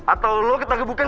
atau lu kita gebukkan